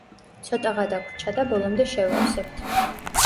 ცოტაღა დაგვრჩა და ბოლომდე შევავსებთ.